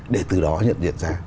để từ đó nhận diện ra